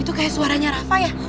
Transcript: itu kayak suaranya rafa ya